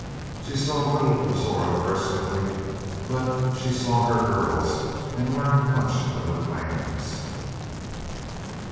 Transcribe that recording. She saw little of Zora personally but she saw her girls and learned much of her plans.